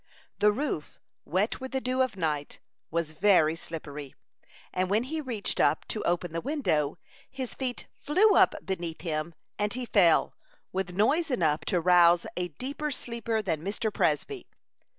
The roof, wet with the dew of night, was very slippery; and when he reached up to open the window, his feet flew up beneath him, and he fell, with noise enough to rouse a deeper sleeper than Mr. Presby.